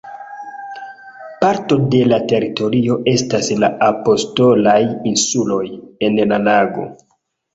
Parto de la teritorio estas la "Apostolaj Insuloj" en la lago.